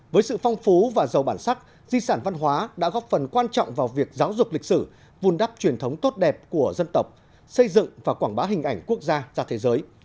với sự phong phú và giàu bản sắc di sản văn hóa đã góp phần quan trọng vào việc giáo dục lịch sử vùn đắp truyền thống tốt đẹp của dân tộc xây dựng và quảng bá hình ảnh quốc gia ra thế giới